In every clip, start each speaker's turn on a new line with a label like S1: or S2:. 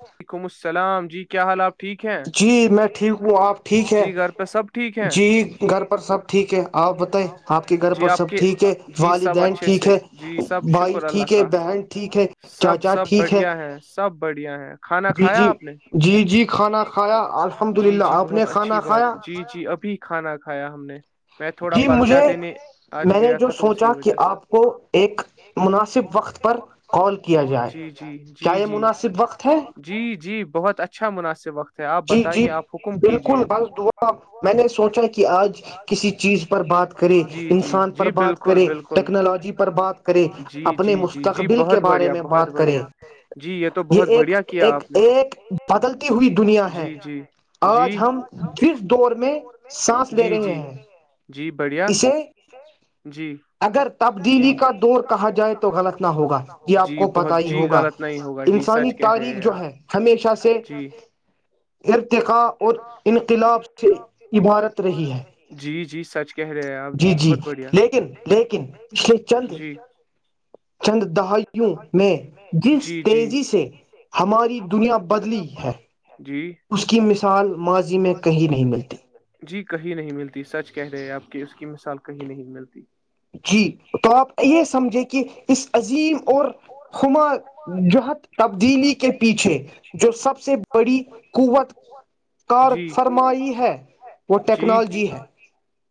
S1: وعلیکم السلام جی کیا حال آپ
S2: جی میں ٹھیک ہوں آپ ٹھیک ہے جی گھر پر سب ٹھیک ہے آپ بتائیں آپ کے گھر پر سب ٹھیک ہے والدین ٹھیک ہے بھائی ٹھیک ہے بہن ٹھیک ہے چاچا ٹھیک ہے
S1: بڑھیا ہے کھانا کھایا آپ نے ج جی جی جی بہت اچھی بات جی جی ابھی کھانا کھایا ہم نے
S2: جی مجھے میں نے جو سوچا کہ آپ کو ایک مناسب وقت پر کال کیا جائے کیا یہ مناسب وقت
S1: جی جی بہت اچھا منا
S2: جی جی بالکل بس دعا میں نے سوچا کہ آج کسی چیز پر بات کرے انسان پر بات کرے ٹیکنالوجی پر بات کرے اپنے مستقبل کے بارے میں بات کرے یہ ایک ایک ایک بدلتی ہوئی دنیا ہے آج ہم جس دور میں سانس لے رہے ہیں اسے اگر تبدیلی کا دور کہا جائے تو غلط نہ ہوگا یہ آپ کو پتا ہی ہوگا انسان انی تاریخ جو ہے ہمیشہ سے ارتقاء اور انقلاب سے عبارت رہی ہے جی جی لیکن لیکن پچھلے چند چند دہائیوں میں جس تیزی سے ہماری دنیا بدلی ہے اس کی مثال ماضی میں کہیں نہیں ملتی
S1: جی کہیں نہیں ملتی سچ کہہ رہے آپ کی اس کی مثال کہیں نہیں ملتی
S2: جی تو آپ یہ سمجھیں کہ اس عظیم اور خمار جوہد تب دلی کے پیچھے جو سب سے بڑی قوت کار فرمائی ہے وہ ٹیکنالوجی ہے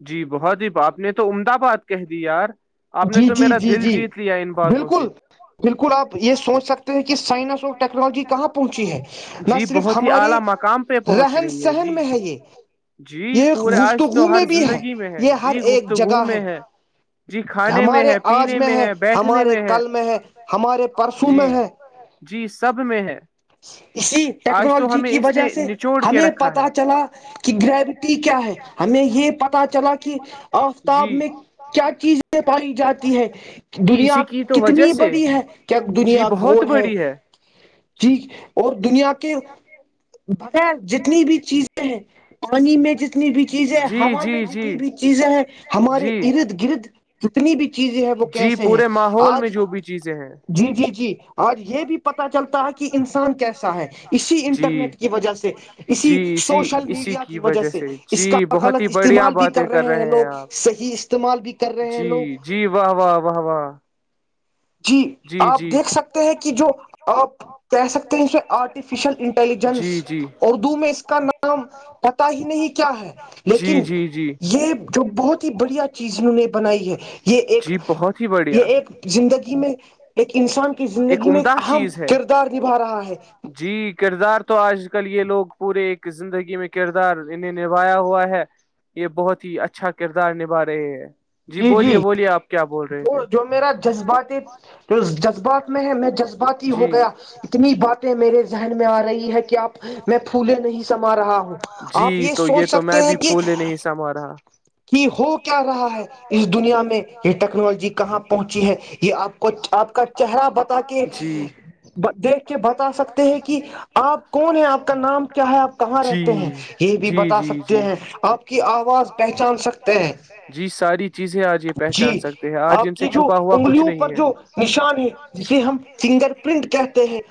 S1: جی بہت ہی آپ نے تو عمدہ باد کہہ دی یار
S2: جی جی جی جی بالکل بالکل آپ یہ سوچ سکتے ہیں کہ سائنس اور ٹیکنالوجی کہاں پہنچی ہے نہ صرف ہمارے رہن سہن میں ہے یہ یہ گفتگو میں بھی ہے یہ ہر ایک جگہ ہے ہمارے آج میں ہے ہمارے کل میں ہے ہمارے پرسوں میں ہے
S1: [inaudible]
S2: اسی ٹیکنالوجی کی وجہ سے ہمیں پتا چلا کہ گریوٹی کیا ہے ہمیں یہ پتا چلا کی آفتاب میں کیا چیزیں پائی جاتی ہے دنیا کتنی بڑی ہے کیا دنیا گول ہے جی اور دنیا کے بغیر جتنی بھی چیزیں ہیں پانی میں جس تنی بھی چیزیں ہوا میں جتنی بھی چیزیں ہیں ہمارے ارد گرد جتنی بھی چیزیں ہے وہ کیسے ہیں آج جی جی جی آج یہ بھی پتا چلتا ہے کہ کہ انسان کیسا ہے اسی انٹرنیٹ کی وجہ سے اسی سوشل میڈیا کی وجہ سے اس کا غلط استعمال بھی کر رہے ہیں لوگ صحیح استعمال بھی
S1: جی جی واہ واہ واہ واہ ہاں
S2: جی آپ دیکھ سکتے ہیں کہ جو آپ کہہ سکتے ہیں اس میں آرٹیفیشل انٹیلیجنس اردو میں اس کا میں پتا ہی نہیں کیا ہے لیکن یہ جو بہت ہی بڑھیا چیز انہوں نے بنائی ہے یہ ایک یہ ایک زندگی دیکھیے انسان کی زندگی میں ایک اہم کردار نبھا رہا ہے
S1: کل یہ لوگ پورے ایک زندگی میں کردار انہیں نبایا ہوا ہے یہ بہت ہی اچھا کردار نبھا رہے ہیں
S2: جی جی جو جو میرا جذباتی جو جذبات میں ہے باتی ہو گیا اتنی بات میرے ذہن میں آ رہی ہے کہ آپ میں پھولے نہیں س سما رہا ہوں آپ یہ سوچ سکتے ہیں کہ کہ ہو کیا رہا ہے اس دنیا میں یہ ٹیکنالوجی کی کہاں پہنچی ہے یہ آپ کو آپ کا چہرہ بتا کے دیکھ کے بتا سکتے ہیں کہ آپ کون ہے آپ کا نام کیا ہے آپ کہاں رہتے ہیں یہ بھی بتا سکتے ہیں آپ کی آواز پہچان سکتے ہیں
S1: چیزیں آج یہ پہچان سکتے ہیں آج جن
S2: جو انگلیوں پر جو نشان ہے جسے ہم فنگر پرنٹ کہتے ہیں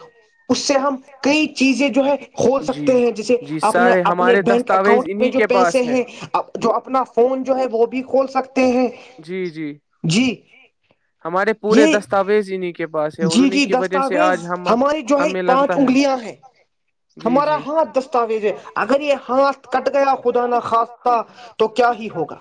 S2: اس سے ہم کئی چیزیں جو ہے کھول سکتے ہیں جیسے اپنا اپنے بینک اکاؤنٹ میں جو پیسے ہیں جو اپنا فون جو ہے وہ بھی کھول سکتے
S1: جی جی ہمارے پورے دستاویز انہیں کے پاس ہے اور انہیں کی وجہ سے آج ہم ہمیں لگتا
S2: انگلیاں ہیں ہمارا ہاتھ دستاویز ہے اگر یہ ہاتھ کٹ گیا خدا ن خواستہ تو کیا ہی ہوگا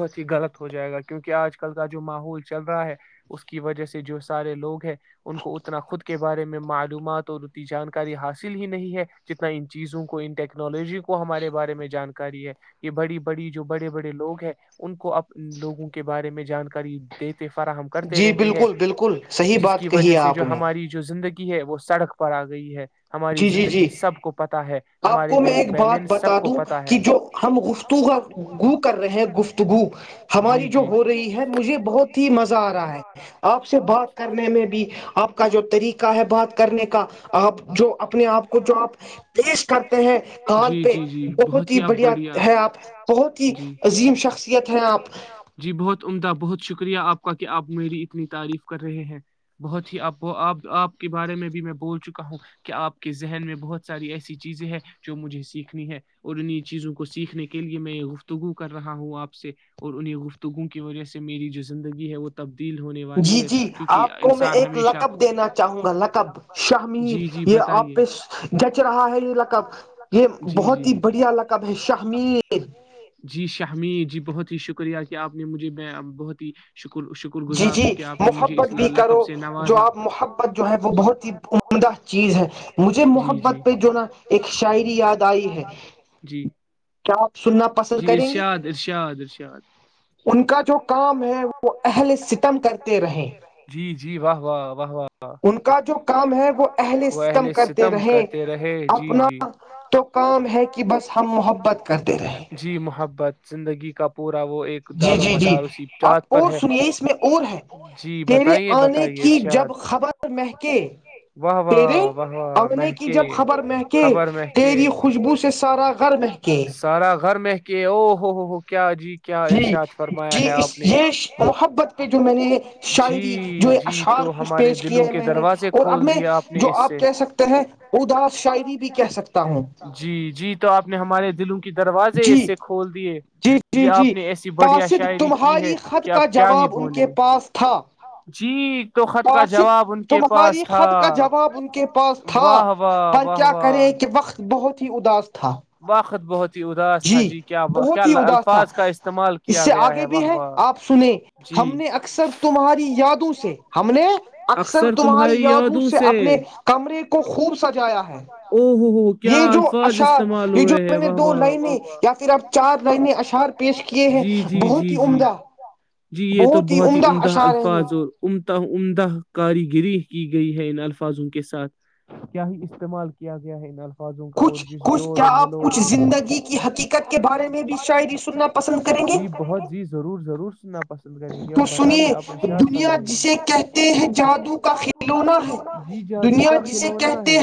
S1: ہی غلط ہو جائے گا کیونکہ آج کل کا جو ماحول چل رہا ہے اس کی وجہ سے جو سارے لوگ ہیں ان کو اتنا خود کے بارے میں معلومات جانکاری حاصل ہی نہیں ہے جتنا ان چیزوں کو ان ٹیکنالوجی کو ہمارے بارے میں جانکاری ہے یہ بڑی بڑی جو بڑے بڑے لوگ ہیں ان کو ا ان لوگوں کے بارے میں جانکاری دی فراہم کرتے رہتے ہیں جس کی وجہ سے جو ہماری جو زندگی ہے وہ سڑک پر آ گئی ہے
S2: جی جی جی آپ کو میں ایک بات بتا دوں کہ جو ہم گفت گو کر رہے ہیں گفتگو ہماری جو ہو رہی ہے مجھے بہت ہی مزہ آ رہا ہے آپ سے بات کرنے میں بھی آپ کا جو طریقہ ہے بات کرنے کا آب جو اپنے آپ کو جو آپ پیش کرتے ہیں کال پہ بہت ہی بڑھیا ہے آپ بہت ہی عظیم شخصیت ہے آپ
S1: عمدہ بہت شکریہ آپ کا کہ آپ میری اتنی تعریف کر رہے ہیں بہت ہی آپپ آپ کے بارے میں بھی میں ب بول چکا ہوں کہ آپ کے ذہن میں بہت ساری ایسی چیزیں ہے جو مجھے سیکھنی ہے اور انہیں چیزوں کو سیکھنے کے لیے میں یہ گفتگو کر رہا ہوں آپ سے اور انہیں گفتگو کی وجہ سے میری جو زندگی ہے وہ تب
S2: جی جی آپ کو میں ایک لکب دینا چاہوں گا لکب شر شمیر یہ آپ پ گچ رہا ہے یہ لقب یہ بہت ہی بڑھیا لقب ہے شاہمیر
S1: ہی شکریہ کہ آپ نے مجھے میں بہت ہی
S2: جی جی محبت بھی کرو جو آپ محبت جو ہے وہ بہت ہی عمدہ چیز ہے مجھے محبت پہ جوناا ایک شاعری یاد آئی ہے کیا آپ سننا پسند کریں گے ان کا جو کام ہے وہ اہل ستم کرتے رہیں
S1: جی واہ واہ واہ واہ
S2: ان کا جو کا کام ہے وہ اہل ستم کرتے رہے اپنا تو کام ہے کہ بس ہم محبت کرتے رہے
S1: ب زندگی کا پورا
S2: جی جی جی آپ اور سنیے اس میں اور ہے تیرے آنے کی جب خبر مہکے تیرے آنے کی جب خبر مہکے تیری خوشبو سے سارا گھر مہکے
S1: گھر میں کے او ہو ہو ہو کیا
S2: جی جی اس یہ محبت پہ جو میں نے شاعری جو اشعار کچھ پیش کیا ہے میں نے اب میں جو آپ کہہ سکتے ہیں اداس شاعری بھی کہہ سکتا ہوں
S1: جلو دروازے اسے کھول دیے جی آپ نے ایسی بڑھیا شاعری کی ہے کہ آپ کیا ہی بولے جی تو خط کا جواب ان کے پاس
S2: خط کا جواب ان کے پاس تھا پر کیا کریں کہ وقت بہت ہی اداس تھا
S1: وقت بہت
S2: جی بہت ہی اداس تھا اس سے آگے بھی ہے آپ سنے ہم نے اکثر تمہاری یادوں سے سے ہم نے اکثر تمہاری یادوں سے اپنے کمرے کو خوبصچ جایا
S1: او ہوو ہو کیا الفاظ استعمال ہوئے ہیں واہ واہ
S2: یا پھر اپ چار لائنیں اشعار پیش کیے ہیں۔ بہت ہی عمدہ بہت ہی عمدہ اشعار ہیں یہ۔
S1: عمدہ کاریگری کی گئی ہے ان الفاظوں کے ساتھ۔ کیا ہی استعمال کیا۔۔۔ کیا گیا ہے ل الفاظوں کا اور جس جوڑ اور ولوڈ میں۔ کیا اپ کچھ زندگی کی حقیقت کے بارے میں بھی شاعری سننا پسند کرتے ہیں۔ جی بہت ضرور ضرور۔۔ نہ۔ پسند کریں گے آپ بتائیے آپ ارشاد فرمائیں۔ دنیا جسے کہتے ہیں جادو کا کھلونا ہے۔ جی جادو کا کھلونا ہے۔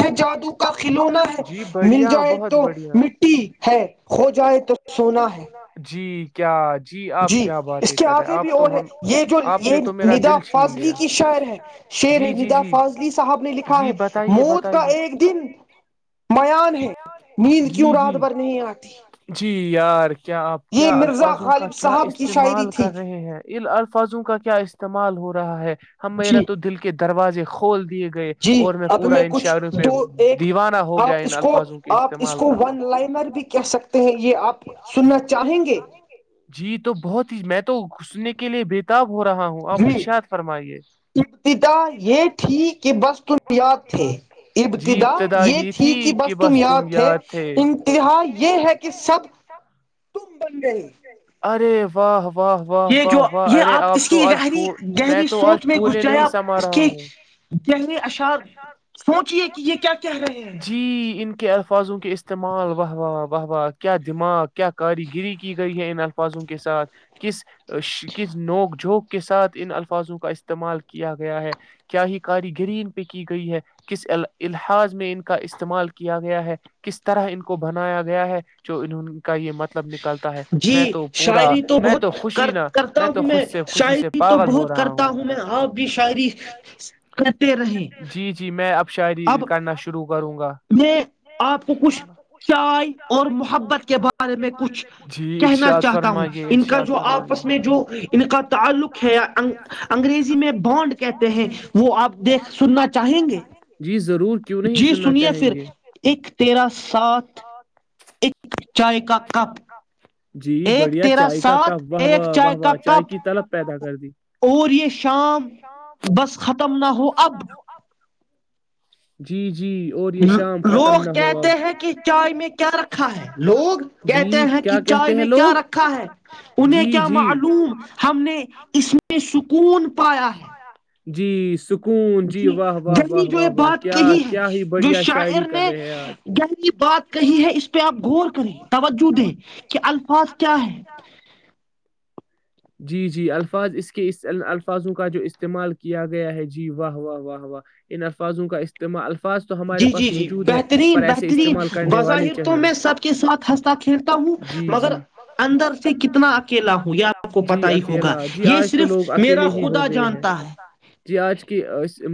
S2: کا کھلونا ہے۔ مل جائے تو مٹی ہے۔ کھو جائے تو سونا ہے۔
S1: جی کیا۔۔
S2: جی اس کے اگے بھی اور ہیں یہ جو یہ ندا فاضلی کی شاعر ہے شعر ہے ندا فاضلی صاحب نے لکھا ہے موت کا ایک دن [inaudible] ہے۔ نیند کیوں رات بھر نہیں آتی۔
S1: پیار۔۔۔ کیا آپ کیا الفاظوں کا کیا استعمال کر رہے ہیں۔ ان الفاظوں کا کیا استعمال ہو رہا ہے۔ ہم میرا تو دل کے دروازے۔۔۔ کول دیے گئے اور میں پورا ان شاعریوں پہ دیوانہ ہو گیا ان الفاظوں۔۔۔
S2: آپ اس کو ون لائنر بھی کہہ سکتے ہیں۔ یہ آپ سننا چاہیں گے۔
S1: میں تو سننے کے لیے بےتاب۔۔۔
S2: جی ابتدا یہ تھی کہ بس تم یاد تھے۔ ابتدا یہ تھی کہ بس تم یاد۔۔ تھے۔ انتہا یہ ہے کہ سب تم۔۔۔
S1: [inaudible] ارے واہ۔۔
S2: یہ جو یہ آپ اس کی گہری گہری سوچ میں گس جائے۔ آپ اس کے گہری اشعر سوچے کہ۔۔۔
S1: جی۔ ان کے الفاظوں کے اس۔۔۔ استعمال واہ واہ واہ واہ کیا دماغ کیا کاریگری کی گئی ہے۔ ان الفاظوں کے ساتھ کس کس نوک جھوک کے ساتھ ان الفاظوں کا استعمال کیا گیا ہے۔ کیا ہی کاریگری ان پہ کی گئی ہے۔ کس۔۔۔ الحاظ میں ان کا استعمال کیا گیا ہے۔ کس طرح ان کو بنایا گیا ہے۔ جو ان کا یہ مطلب۔۔۔
S2: جی شاعری تو بہت کر کرتا ہوں میں۔ شاعری تو بہت کرتا ہوں میں۔ آپ بھی شاعری کرتے رہیں۔
S1: شاعری کرنا شروع۔۔۔
S2: میں آپ کو کچھ چائے اور محبت کے بارے میں کچھ کہنا چاہتا ہوں۔ ان کا جو آپس میں جو ان کا تعلق ہے۔ یا انگریزی میں بانڈ کہتے ہیں وہ آپ دیکھ سننا چاہیں گے؟ جی سنیے پھر ایک تیرا ساتھ ایک۔۔۔۔
S1: جی بڑھیا۔ چائے کا کپ۔ واہ وا واہ وا چائے کی طلب پیدا کر دی۔
S2: اور یہ شام بس ختم نہ ہو اب
S1: جی جی
S2: لوگ کہتے ہیں کہ چائے میں کیا رکھا ہے لوگ کہتے ہیں کہ چائے میں کیا رکھا ہے انہیں کیا معلوم ہم نے اس میں سکون
S1: [inaudible] جی سک
S2: جی گہری جو یہ بات کہی ہے جو شاعر نے گہری بات کہی ہے اس پہ آپ غور کریں توجہ دیں کہ الفاظ کیا ہے
S1: جی جی الفاظ اس کے اس الفاظوں کا جو استعمال کیا گیا ہے جی واہ واہ واہ واہ ان الفاظوں کا استعمال الفاظ
S2: جی جی جی بہترین بہترین بظاہر تو میں سب کے ساتھ ہنستا کھیلتا ہوں مگر اندر سے کتنا اکیلا ہوں یا
S1: جی اکیلا جی آج تو لوگ اکیلے ہی ہو گئے ہیں جی آج کی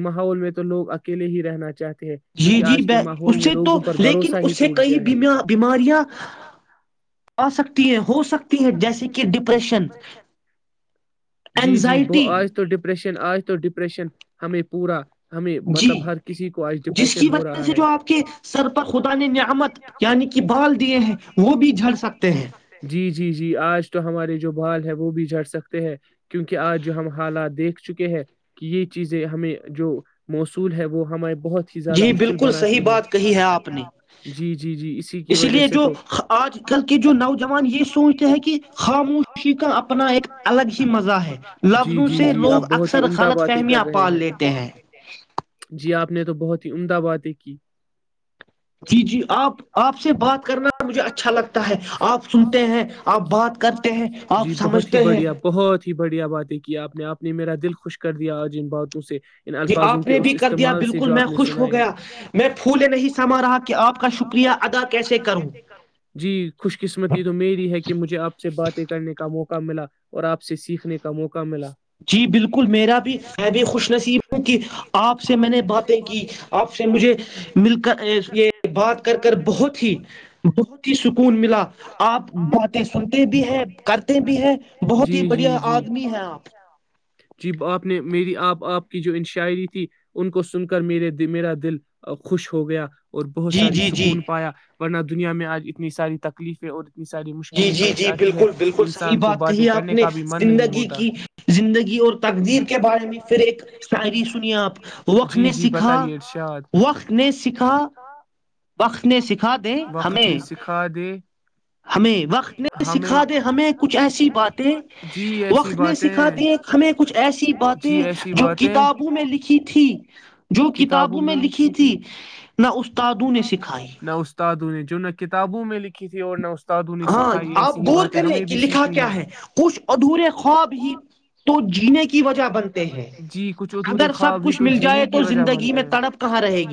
S1: ماحول میں تو لوگ اکیلے ہی رہنا چاہتے
S2: جی جی اس سے تو لیکن اس سے کئی بیماریاں آ سکتی ہیں ہو سکتی ہیں جیسے کہ ڈپریشن
S1: ریش جی جی ب آج تو ڈپریشن آج تو ڈپریشن ہمیں پورا
S2: جی جس کی وجہ سے جو آپ کے سر پر خدا نے نعمت یعنی کہ بال دیے ہیں وہ بھی جھڑ سکتے ہیں
S1: تو ہماری بال ہے وہ بھی جھڑ سکتے ہیں کیونکہ آج ہم حالات دیکھ چکے ہیں کہ یہ چیزیں ہمیں جو موصول ہے وہ ہمارے
S2: جی بالکل صحیح بات کہی ہے آپ نے اس لیے جو آج کل کے جو نوجوان یہ سوچتے ہیں کہ خاموش خوشی کا اپنا ایک الگ ہی مزہ ہے لفظوں سے لوگ اکثر غلط فہمیاں پال لیتے ہیں
S1: آپ نے تو بہت ہی عمدہ باتیں کی
S2: جی جی آپ آپ سے بات کرنا مجھے اچھا لگتا ہے آپ سنتے ہیں آپ بات کرتے ہیں
S1: جی بہت ہی بڑھیا بہت ہی بڑھیا باتیں کی آپ نے آپ نے میرا دل خوش کر دیا آج ان باتوں سے ان الفاظوں کے اس استعمال سے جو آپ نے سنائےولےا آپ کا شکری اداےوں جی خوش قسمتی تو میری ہے کہ مجھے آپ سے باتیں کا موقع ملا اور آپ سے سیکھنے کا موقع ملا
S2: جی بالکل میرا بھی میں بھی خوش نصیب ہوں کہ آپ سے میں نے باتیں کی آپ سے مجھے مل کر یہ بات کر کر بہت ہی بہت ہی سکون ملا آپ باتیں سنتے بھی ہیں کرتے بھی ہیں بہت ہی بڑھیا آدمی ہیں آپ
S1: جی آپ نے میری آپ آپ کی جو ان شاعری تھی ان کو سن کر میرے میرا دل خوش ہو گیا اور بہت ساری سکون پایا ورنہ دنیا میں آج اتنی ساری تکلیفیں اور یہ ساری مشکلیں پیش آ
S2: بکل بالکل صحی بات کہی آپ نے زندگی کی زندگی اور تقدیر کے بارے میں پھر ایک شاعری سنی آپ وقت نے سیکھا وقت نے سیکھا
S1: وقت نے سکھا دے
S2: ہمیں وقت نے سکھا دے ہمیں کچھ ایسی باتیں وقت نے سکھا دے ہمیں کچھ ایسی باتیں جو کتابوں میں لکھی تھی جو کتابوں میں لکھی تھی نہ استادوں نے سکھائی
S1: کتابوں میں لکھی تھی اور نہ اس
S2: ہاں آپ غور کریں کہ لکھا کیا ہے کچھ ادھورے خواب ہی تو جی
S1: جی کچھ ادھورے خواب ہی تو جینے کی وجہ بنتے ہیں کہاں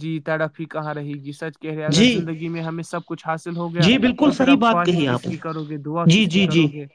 S1: جی تڑپ ہی کہاں رہے گی سچ کہہ رہے اگر زندگی میں ہمیں سب کچھ ہاتھ ہو گیا تو پھر آپ خواہش کس کی کرو گے دعا کس کی کرو گے